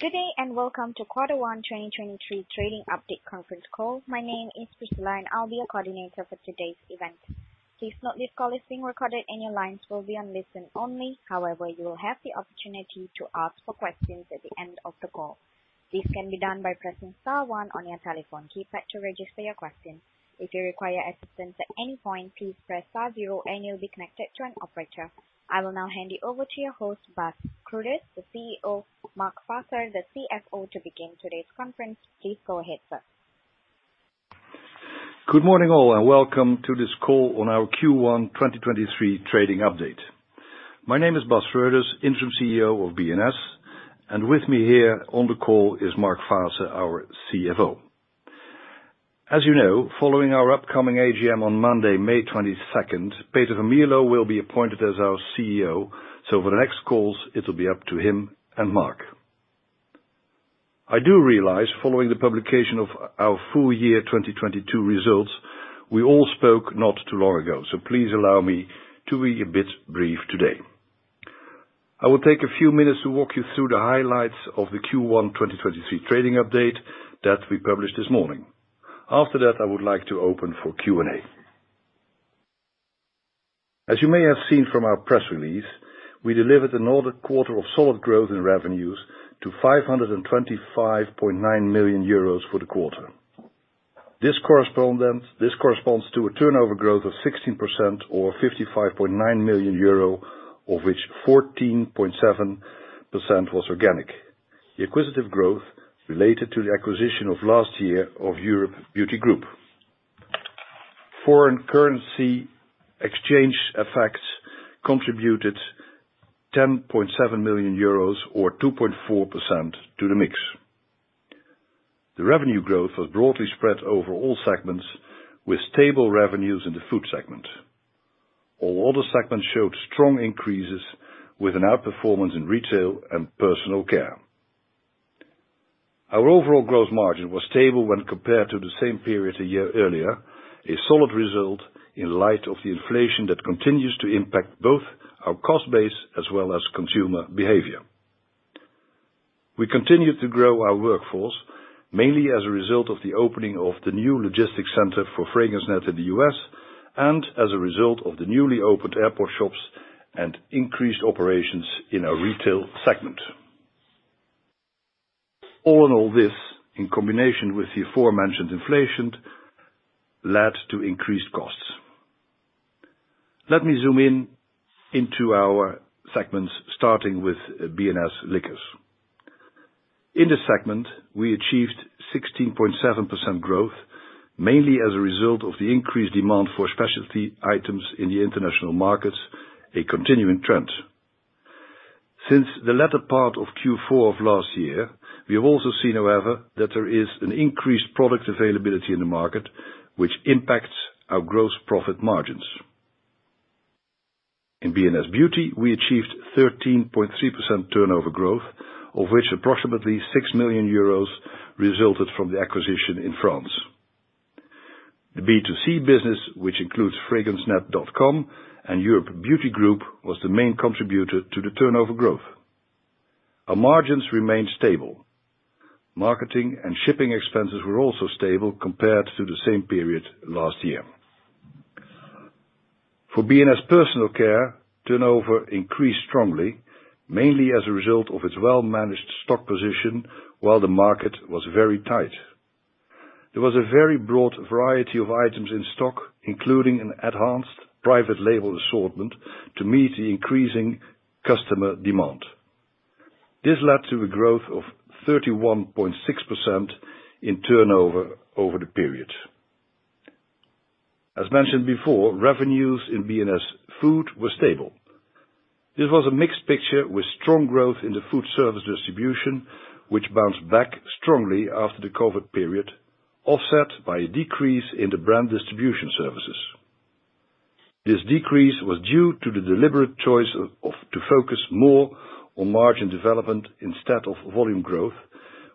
Good day. Welcome to Quarter One 2023 Trading Update conference call. My name is Priscilla. I'll be your coordinator for today's event. Please note this call is being recorded. Your lines will be on listen only. However, you will have the opportunity to ask for questions at the end of the call. This can be done by pressing star one on your telephone keypad to register your question. If you require assistance at any point, please press star zero and you'll be connected to an operator. I will now hand you over to your host, Bas Schreuders, the CEO, Mark Faasse, the CFO, to begin today's conference. Please go ahead, sir. Good morning, all, and welcome to this call on our Q1 2023 trading update. My name is Bas Schreuders, Interim CEO of B&S Group, and with me here on the call is Mark Faasse, our CFO. As you know, following our upcoming AGM on Monday, May 22nd, Peter van Mierlo will be appointed as our CEO. For the next calls, it'll be up to him and Mark. I do realize following the publication of our full year 2022 results, we all spoke not too long ago, please allow me to be a bit brief today. I will take a few minutes to walk you through the highlights of the Q1 2023 trading update that we published this morning. After that, I would like to open for Q&A. As you may have seen from our press release, we delivered another quarter of solid growth in revenues to 525.9 million euros for the quarter. This corresponds to a turnover growth of 16% or 55.9 million euro, of which 14.7% was organic. The acquisitive growth related to the acquisition of last year of Europe Beauty Group. Foreign currency exchange effects contributed 10.7 million euros or 2.4% to the mix. The revenue growth was broadly spread over all segments with stable revenues in the food segment. All other segments showed strong increases with an outperformance in retail and personal care. Our overall growth margin was stable when compared to the same period a year earlier, a solid result in light of the inflation that continues to impact both our cost base as well as consumer behavior. We continue to grow our workforce, mainly as a result of the opening of the new logistics center for FragranceNet in the U.S., and as a result of the newly opened airport shops and increased operations in our retail segment. All in all this, in combination with the aforementioned inflation, led to increased costs. Let me zoom in into our segments starting with B&S Liquors. In this segment, we achieved 16.7% growth, mainly as a result of the increased demand for specialty items in the international markets, a continuing trend. Since the latter part of Q4 of last year, we have also seen, however, that there is an increased product availability in the market, which impacts our gross profit margins. In B&S Beauty, we achieved 13.3% turnover growth, of which approximately 6 million euros resulted from the acquisition in France. The B2C business, which includes FragranceNet.com and Europe Beauty Group, was the main contributor to the turnover growth. Our margins remained stable. Marketing and shipping expenses were also stable compared to the same period last year. For B&S Personal Care, turnover increased strongly, mainly as a result of its well-managed stock position while the market was very tight. There was a very broad variety of items in stock, including an enhanced private label assortment to meet the increasing customer demand. This led to a growth of 31.6% in turnover over the period. As mentioned before, revenues in B&S Food were stable. This was a mixed picture with strong growth in the food service distribution, which bounced back strongly after the COVID period, offset by a decrease in the brand distribution services. This decrease was due to the deliberate choice to focus more on margin development instead of volume growth,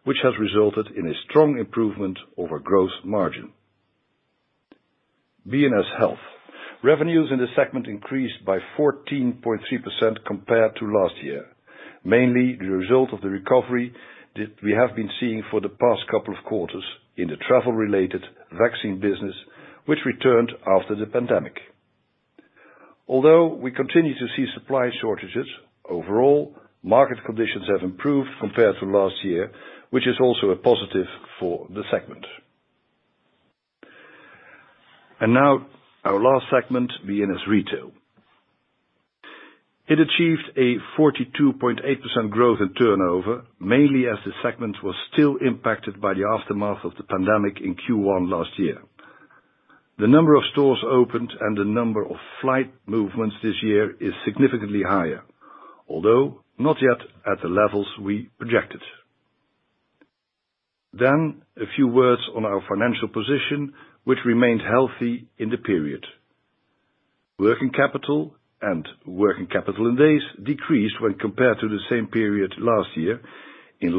which has resulted in a strong improvement over growth margin. B&S Health. Revenues in this segment increased by 14.3% compared to last year, mainly the result of the recovery that we have been seeing for the past couple of quarters in the travel related vaccine business, which returned after the pandemic. Although we continue to see supply shortages, overall, market conditions have improved compared to last year, which is also a positive for the segment. Now our last segment, B&S Retail. It achieved a 42.8% growth in turnover, mainly as the segment was still impacted by the aftermath of the pandemic in Q1 last year. The number of stores opened and the number of flight movements this year is significantly higher, although not yet at the levels we projected. A few words on our financial position, which remained healthy in the period. working capital and working capital in days decreased when compared to the same period last year. In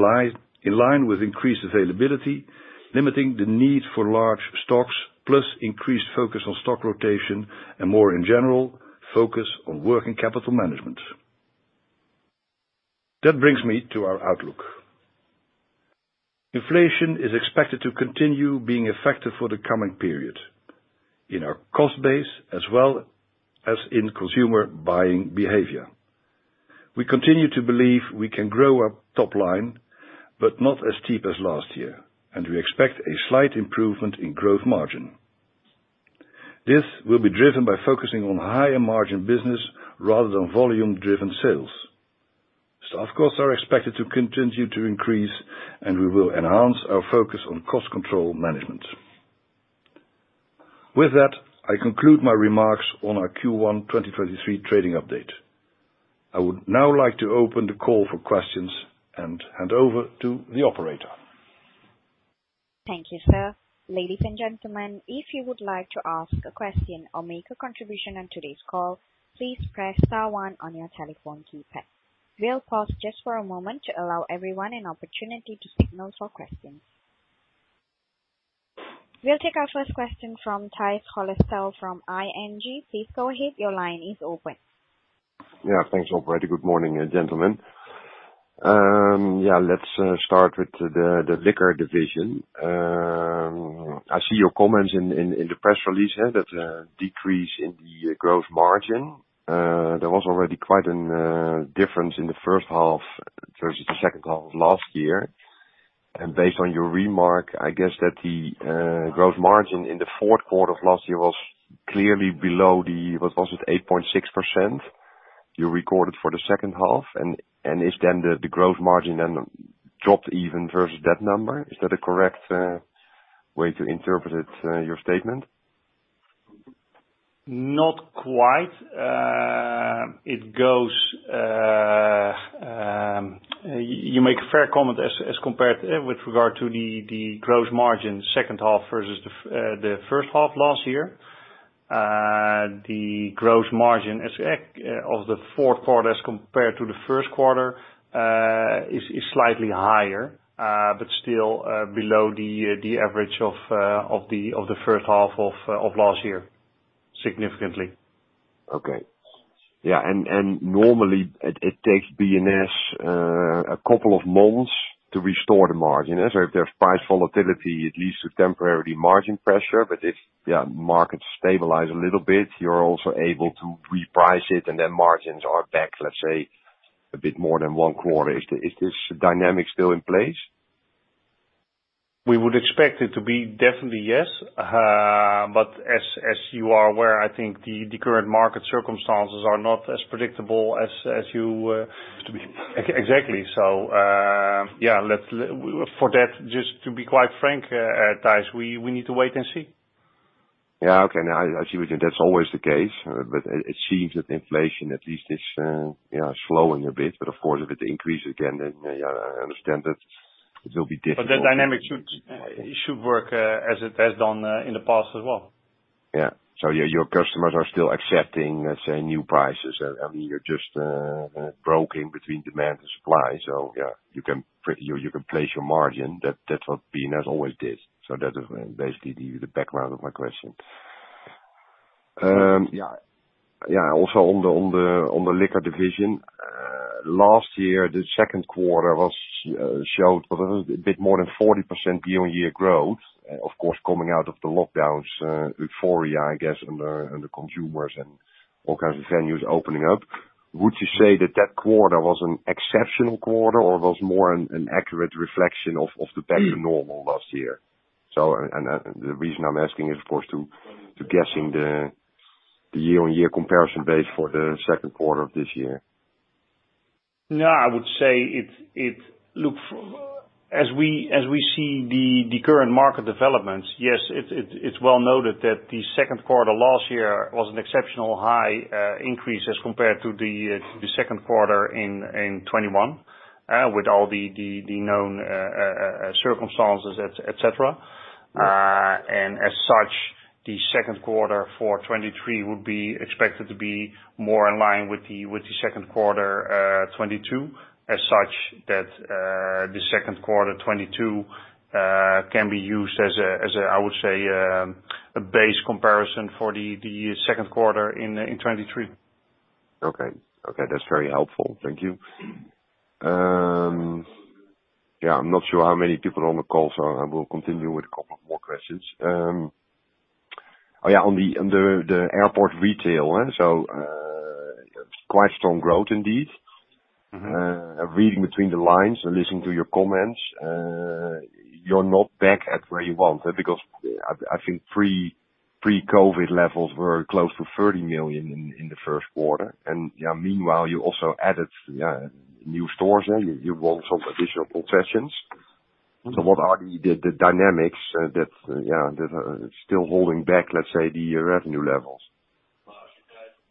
line with increased availability, limiting the need for large stocks, plus increased focus on stock rotation and more in general, focus on working capital management. That brings me to our outlook. Inflation is expected to continue being effective for the coming period in our cost base as well as in consumer buying behavior. We continue to believe we can grow our top line, but not as steep as last year, and we expect a slight improvement in growth margin. This will be driven by focusing on higher margin business rather than volume-driven sales. Staff costs are expected to continue to increase, and we will enhance our focus on cost control management. With that, I conclude my remarks on our Q1 2023 trading update. I would now like to open the call for questions and hand over to the operator. Thank you, sir. Ladies and gentlemen, if you would like to ask a question or make a contribution on today's call, please press star one on your telephone keypad. We'll pause just for a moment to allow everyone an opportunity to signal for questions. We'll take our first question from Tijs Hollestelle from ING. Please go ahead. Your line is open. Yeah, thanks, operator. Good morning, gentlemen. Let's start with the liquor division. I see your comments in the press release here that decrease in the gross margin. There was already quite an difference in the first half versus the second half of last year. Based on your remark, I guess that the gross margin in the fourth quarter of last year was clearly below Was it 8.6% you recorded for the second half? Is then the gross margin then dropped even versus that number? Is that a correct way to interpret it your statement? Not quite. It goes, you make a fair comment as compared with regard to the growth margin second half versus the first half last year. The growth margin as of the fourth quarter as compared to the first quarter is slightly higher, but still below the average of the first half of last year. Significantly. Okay. Yeah. Normally it takes B&S a couple of months to restore the margin. If there's price volatility, it leads to temporarily margin pressure. If markets stabilize a little bit, you're also able to reprice it, and then margins are back, let's say, a bit more than one quarter. Is this dynamic still in place? We would expect it to be definitely yes. As you are aware, I think the current market circumstances are not as predictable as you. Exactly. For that, just to be quite frank, Tijs, we need to wait and see. Yeah, okay. No, I see what you. That's always the case, but it seems that inflation at least is, yeah, slowing a bit. Of course, if it increase again, yeah, I understand that it will be difficult. The dynamic should work as it has done in the past as well. Yeah. Yeah, your customers are still accepting, let's say, new prices. I mean, you're just broke in between demand and supply, so yeah, you can place your margin. That's what B&S Group always did. That is basically the background of my question. Yeah. Also on the liquor division. Last year, the second quarter was showed a bit more than 40% year-on-year growth. Of course, coming out of the lockdowns, euphoria, I guess, and the consumers and all kinds of venues opening up. Would you say that that quarter was an exceptional quarter or was more an accurate reflection of the back to normal last year? The reason I'm asking is, of course, to guessing the year-on-year comparison base for the second quarter of this year. No, I would say. As we see the current market developments, yes, it's well noted that the second quarter last year was an exceptional high increase as compared to the second quarter in 2021 with all the known circumstances, et cetera. As such, the second quarter for 2023 would be expected to be more in line with the second quarter 2022. As such that, the second quarter 2022 can be used as a, I would say, a base comparison for the second quarter in 2023. Okay. Okay, that's very helpful. Thank you. Yeah. I'm not sure how many people on the call, so I will continue with a couple of more questions. Yeah, on the, on the airport retail, so, quite strong growth indeed. Reading between the lines or listening to your comments, you're not back at where you want, because I think pre-COVID levels were close to 30 million in the first quarter. Meanwhile, you also added new stores, and you bought some additional possessions. What are the dynamics, that, yeah, that are still holding back, let's say, the revenue levels?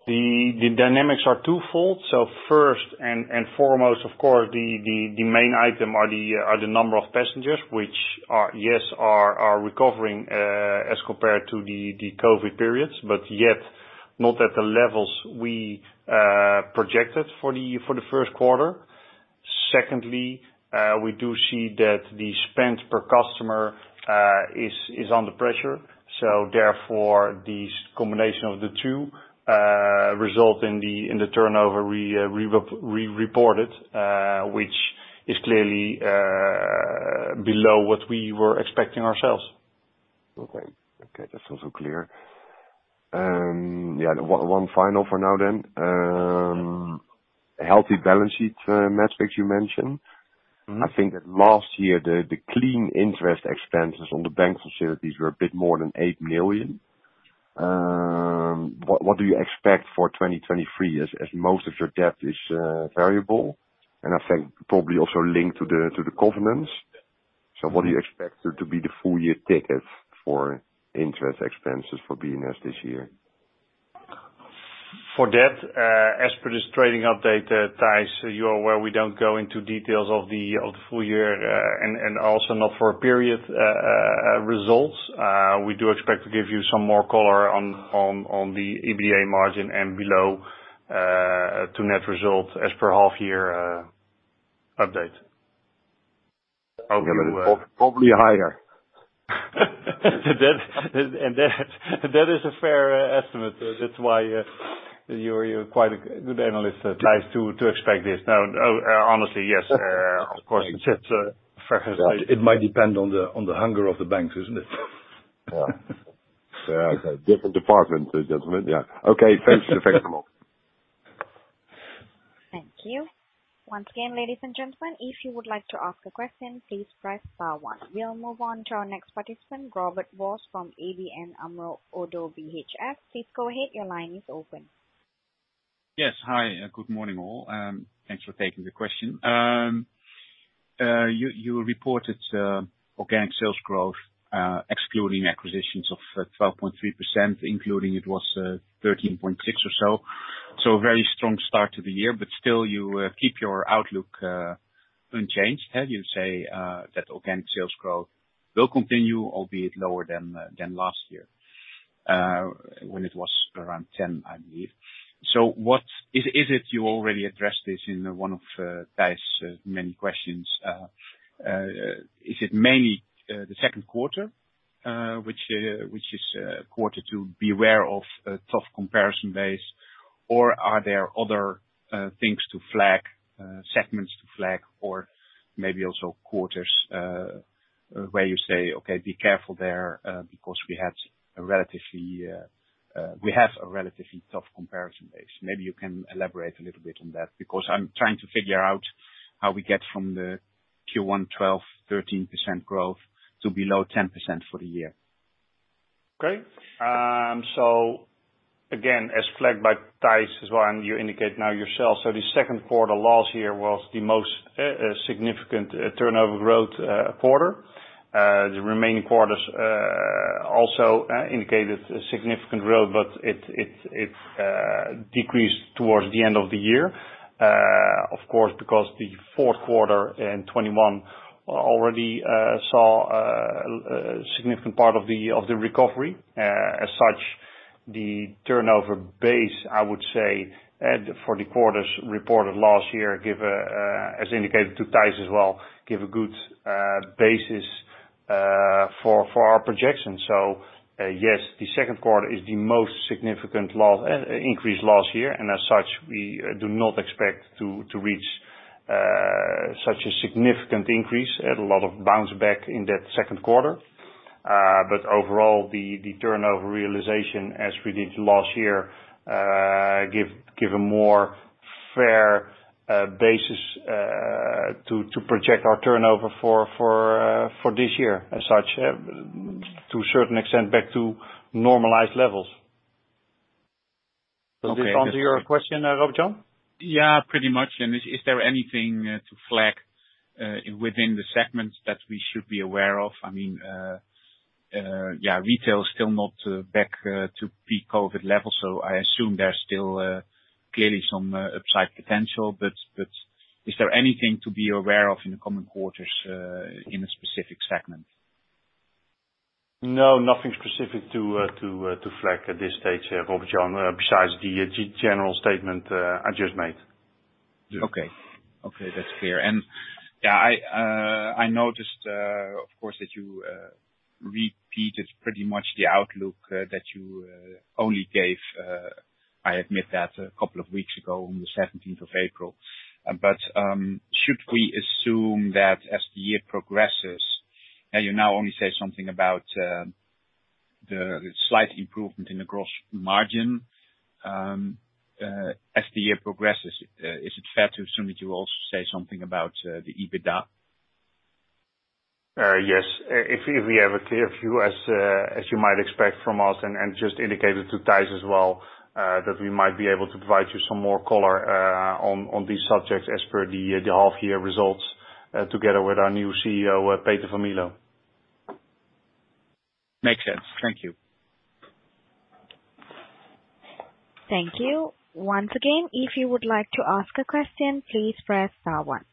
The dynamics are twofold. First and foremost, of course, the main item are the number of passengers, which are recovering as compared to the COVID periods. Yet not at the levels we projected for the first quarter. Secondly, we do see that the spend per customer is under pressure. Therefore, the combination of the two result in the turnover we reported, which is clearly below what we were expecting ourselves. Okay, that's also clear. One final for now then. Healthy balance sheet metrics you mentioned. I think that last year the clean interest expenses on the bank facilities were a bit more than 8 million. What do you expect for 2023 as most of your debt is variable? I think probably also linked to the covenants. What do you expect there to be the full year take for interest expenses for B&S this year? For debt, as per this trading update, Tijs, you are aware we don't go into details of the full year, and also not for a period results. We do expect to give you some more color on the EBITDA margin and below to net results as per half year update. Okay. Probably higher. That is a fair estimate. That's why you're quite a good analyst, Tijs, to expect this. No, honestly, yes. Of course, it's a fair estimation. It might depend on the, on the hunger of the banks, isn't it? Yeah. Different department, gentlemen. Yeah. Okay, thanks. Thanks a lot. Thank you. Once again, ladies and gentlemen, if you would like to ask a question, please press star one. We'll move on to our next participant, Robert-Jan Vos from ABN AMRO ODDO BHF. Please go ahead. Your line is open. Yes. Hi, good morning all. Thanks for taking the question. You, you reported organic sales growth excluding acquisitions of 12.3%, including it was 13.6% or so. A very strong start to the year, but still you keep your outlook unchanged. You say that organic sales growth will continue, albeit lower than last year, when it was around 10%, I believe. What is it? You already addressed this in one of Tijs' many questions. Is it mainly the second quarter, which is a quarter to be aware of a tough comparison base? Are there other things to flag, segments to flag or maybe also quarters, where you say, "Okay, be careful there, because we have a relatively tough comparison base." Maybe you can elaborate a little bit on that, because I'm trying to figure out how we get from the Q1 12%-13% growth to below 10% for the year. Okay. Again, as flagged by Tijs as well, and you indicate now yourself, the 2Q last year was the most significant turnover growth quarter. The remaining quarters also indicated a significant growth, but it decreased towards the end of the year. Of course, because the 4Q in 2021 already saw a significant part of the recovery. As such, the turnover base, I would say, for the quarters reported last year give a, as indicated to Tijs as well, give a good basis for our projections. Yes, the 2Q is the most significant loss increase last year. As such, we do not expect to reach such a significant increase. Had a lot of bounce back in that 2Q. Overall the turnover realization as we did last year, give a more fair basis, to project our turnover for this year. As such, to a certain extent back to normalized levels. Okay. Does this answer your question, Robert-Jan? Yeah, pretty much. Is there anything to flag within the segments that we should be aware of? I mean, yeah, Retail is still not back to pre-COVID levels, so I assume there's still clearly some upside potential. Is there anything to be aware of in the coming quarters in a specific segment? No, nothing specific to to to flag at this stage, Robert Jan, besides the general statement I just made. Okay. Okay, that's clear. Yeah, I noticed, of course, that you repeated pretty much the outlook, that you only gave, I admit that a couple of weeks ago on the 17th of April. Should we assume that as the year progresses and you now only say something about the slight improvement in the gross margin as the year progresses, is it fair to assume that you will also say something about the EBITDA? Yes. If we have a clear view as you might expect from us and just indicated to Tijs as well, that we might be able to provide you some more color on these subjects as per the half year results, together with our new CEO, Peter van Mierlo. Makes sense. Thank you. Thank you. Once again, if you would like to ask a question, please press star one.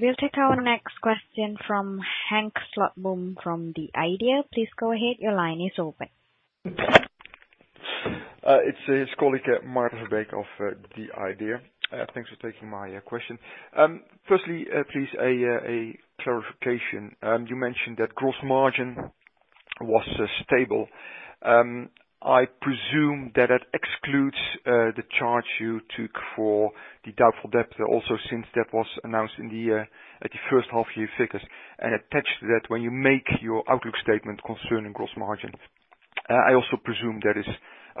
We'll take our next question from Henk Slotboom from The Idea. Please go ahead. Your line is open. It's his colleague, Maarten Verbeek of The Idea. Thanks for taking my question. Firstly, please, a clarification. You mentioned that gross margin was stable. I presume that it excludes the charge you took for the doubtful debt, also since that was announced in the year, at the first half year figures. Attached to that, when you make your outlook statement concerning gross margin, I also presume that is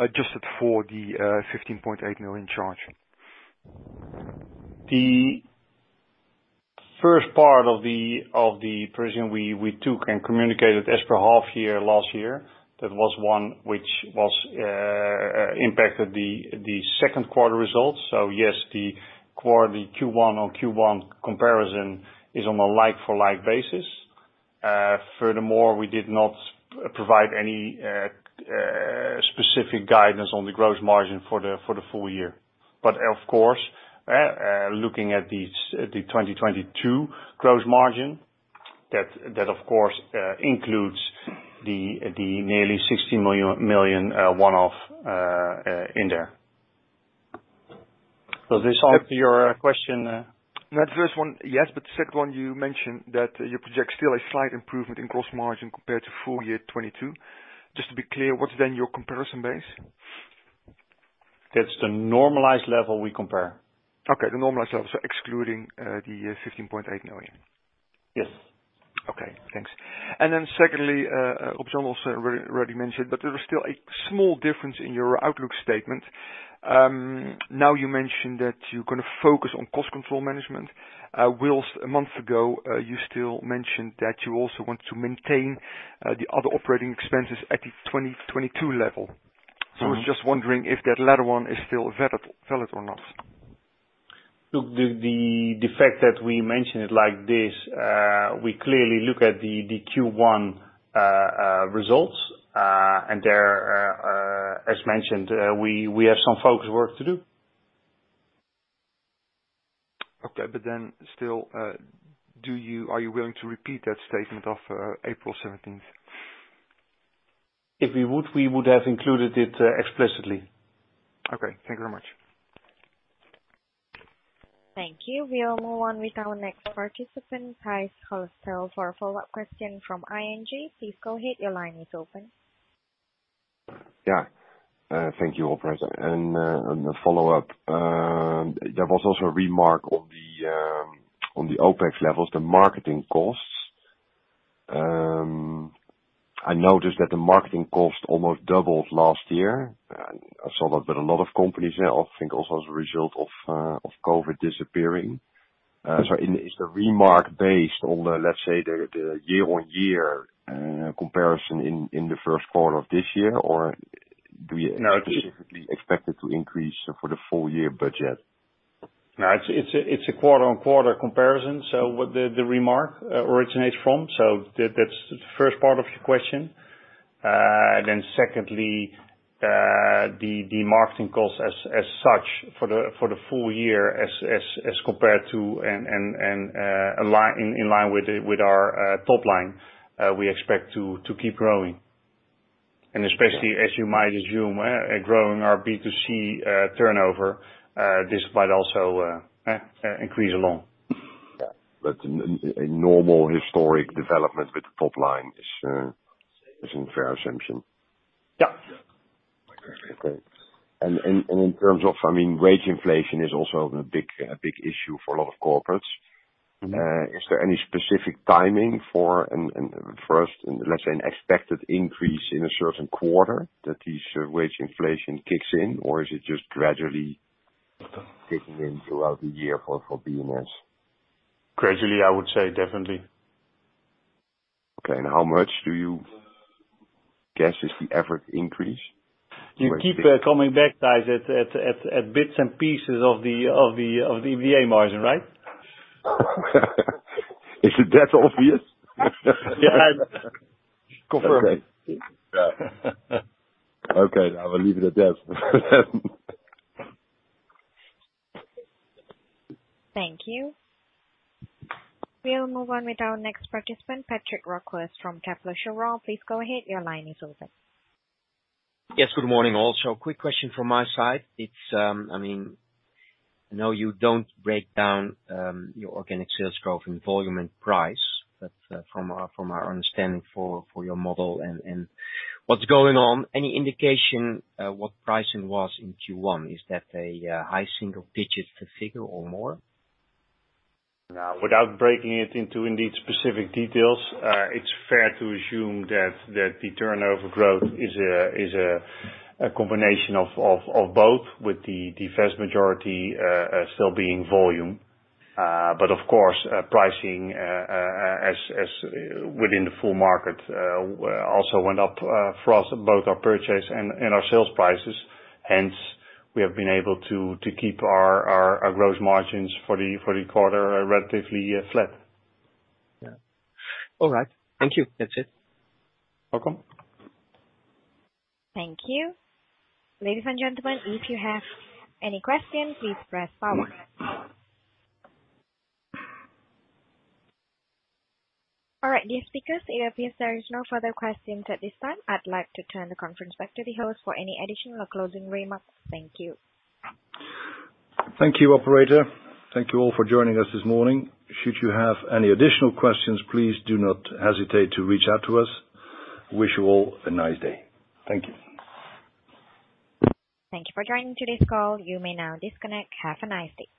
adjusted for the 15.8 million charge. The first part of the provision we took and communicated as per half year, last year, that was one which was impacted the second quarter results. Yes, the Q1 on Q1 comparison is on a like for like basis. Furthermore, we did not provide any specific guidance on the gross margin for the full year. Of course, looking at the 2022 gross margin, that of course includes the nearly 60 million one-off in there. Does this answer your question? The first one, yes. The second one, you mentioned that you project still a slight improvement in gross margin compared to full year 2022. Just to be clear, what's then your comparison base? That's the normalized level we compare. Okay, the normalized level, so excluding, the 15.8 million. Yes. Okay, thanks. Then secondly, Robert-Jan also already mentioned, but there is still a small difference in your outlook statement. Now you mentioned that you're gonna focus on cost control management. Whilst a month ago, you still mentioned that you also want to maintain the other operating expenses at the 2022 level. I was just wondering if that latter one is still valid or not? Look, the fact that we mention it like this, we clearly look at the Q1 results. There, as mentioned, we have some focus work to do. Okay. Still, are you willing to repeat that statement of April 17th? If we would, we would have included it, explicitly. Okay. Thank you very much. Thank you. We'll move on with our next participant, Tijs Hollestelle, for a follow-up question from ING. Please go ahead, your line is open. Yeah. Thank you, operator. On the follow-up, there was also a remark on the OPEX levels, the marketing costs. I noticed that the marketing cost almost doubled last year. I saw that with a lot of companies now, I think also as a result of COVID disappearing. Is the remark based on, let's say, the year-on-year comparison in the first quarter of this year? No. Specifically expect it to increase for the full year budget? No, it's a, it's a quarter-on-quarter comparison. Where the remark originates from. That's the first part of your question. Secondly, the marketing costs as such for the full year as compared to and in line with our top line, we expect to keep growing. Especially as you might assume, growing our B2C turnover, this might also increase along. A normal historic development with the top line is a fair assumption. Yeah. Okay. In terms of, I mean, wage inflation is also a big issue for a lot of corporates. Is there any specific timing for, and first, let's say, an expected increase in a certain quarter that this wage inflation kicks in? Or is it just gradually kicking in throughout the year for B&S Group? Gradually, I would say, definitely. Okay. How much do you guess is the average increase? You keep coming back, Tijs, at bits and pieces of the EBITDA margin, right? Is it that obvious? Yeah. Confirmed. Okay. Okay, I will leave it at that. Thank you. We'll move on with our next participant, Patrick Roquas from Kepler Cheuvreux. Please go ahead, your line is open. Good morning also. Quick question from my side. It's, I mean, I know you don't break down your organic sales growth in volume and price, from our understanding for your model and what's going on, any indication, what pricing was in Q1? Is that a high single digit figure or more? Without breaking it into indeed specific details, it's fair to assume that the turnover growth is a combination of both with the vast majority still being volume. Of course, pricing, as within the full market, also went up for us, both our purchase and our sales prices. We have been able to keep our gross margins for the quarter relatively flat. Yeah. All right. Thank you. That's it. Welcome. Thank you. Ladies and gentlemen, if you have any questions, please press star one. All right, dear speakers, it appears there is no further questions at this time. I'd like to turn the conference back to the host for any additional closing remarks. Thank you. Thank you, operator. Thank you all for joining us this morning. Should you have any additional questions, please do not hesitate to reach out to us. Wish you all a nice day. Thank you. Thank you for joining today's call. You may now disconnect. Have a nice day.